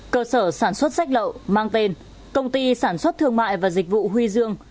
cơ sở sản xuất sách lậu mang tên công ty sản xuất thương mại và dịch vụ huy dương